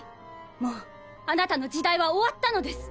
もうあなたの時代は終わったのです。